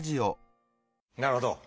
なるほど。